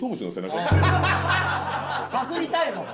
さすりたいもん。